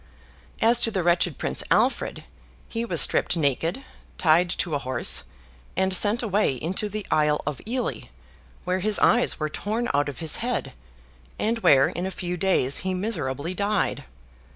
As to the wretched Prince Alfred, he was stripped naked, tied to a horse and sent away into the Isle of Ely, where his eyes were torn out of his head, and where in a few days he miserably died.